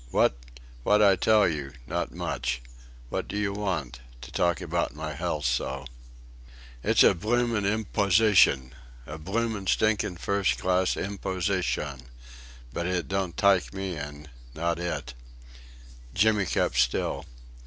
"What?... What I tell you... not much. What do you want... to talk about my health so..." "It's a blooming imposyshun. A bloomin', stinkin', first class imposyshun but it don't tyke me in. Not it." Jimmy kept still.